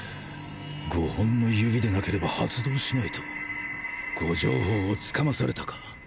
５本の指でなければ発動しないと誤情報を掴まされたか？